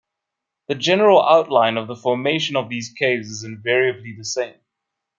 The general outline of the formation of these caves is invariably the same.